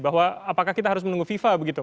bahwa apakah kita harus menunggu fifa begitu